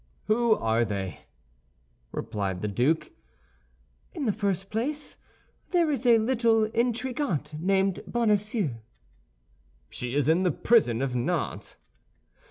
"Who are they?" replied the duke. "In the first place, there is a little intrigante named Bonacieux." "She is in the prison of Nantes."